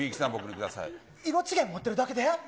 色違い持ってるだけで？